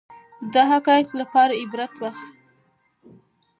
دا حقایق زموږ لپاره عبرت دي.